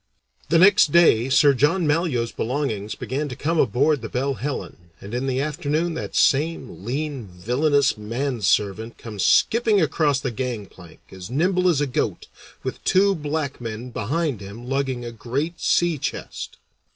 The next day Sir John Malyoe's belongings began to come aboard the Belle Helen, and in the afternoon that same lean, villainous manservant comes skipping across the gangplank as nimble as a goat, with two black men behind him lugging a great sea chest.